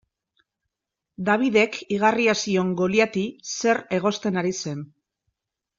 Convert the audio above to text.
Davidek igarria zion Goliati zer egosten ari zen.